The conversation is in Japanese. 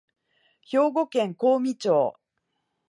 兵庫県香美町